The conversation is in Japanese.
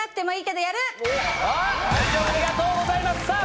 はい。